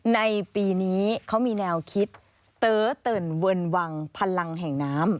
ในปีนี้เขามีแนวคิดเต๋อเติ่นเวิร์นวังพลังแห่งน้ำ